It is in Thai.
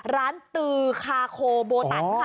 ตือคาโคโบตันค่ะ